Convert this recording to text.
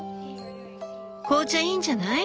紅茶いいんじゃない？